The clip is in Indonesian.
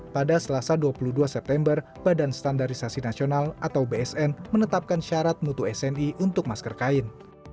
pada selasa dua puluh dua september badan standarisasi nasional atau bsn menetapkan syarat mutu sni untuk masker kain